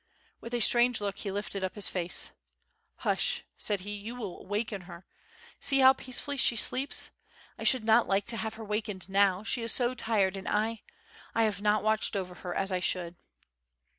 With a strange look, he lifted up his face. "Hush!" said he; "you will waken her. See how peacefully she sleeps! I should not like to have her wakened now, she is so tired, and I I have not watched over her as I should."